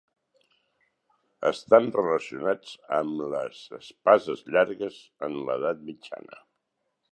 Estan relacionats amb les espases llargues en l'edat mitjana.